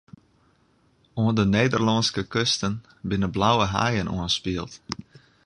Oan 'e Nederlânske kusten binne blauwe haaien oanspield.